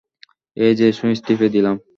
এই যে সুইচ টিপে দিলাম।